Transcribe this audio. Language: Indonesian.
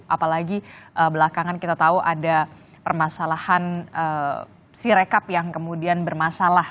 apalagi belakangan kita tahu ada permasalahan si rekap yang kemudian bermasalah